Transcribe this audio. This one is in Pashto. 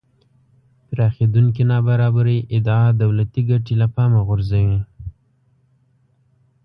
پراخېدونکې نابرابرۍ ادعا دولتی ګټې له پامه غورځوي